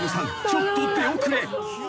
ちょっと出遅れ］